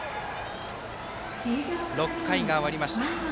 ６回が終わりました。